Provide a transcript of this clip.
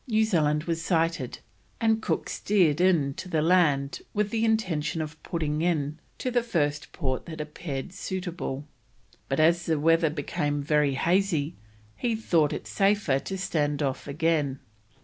New Zealand was sighted, and Cook steered in to the land with the intention of putting in to the first port that appeared suitable, but as the weather became very hazy, he thought it safer to stand off again.